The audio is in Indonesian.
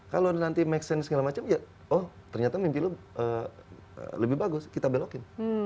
kalau nanti make sense segala macam ya oh ternyata mimpi lo lebih bagus kita belokin